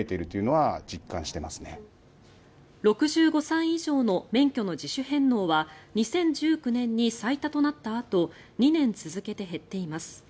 ６５歳以上の免許の自主返納は２０１９年に最多となったあと２年続けて減っています。